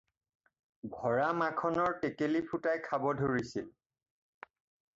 ভৰা মাখনৰ টেকেলি ফুটাই খাব ধৰিছিল।